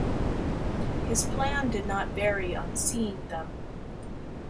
His plan did not vary on seeing them.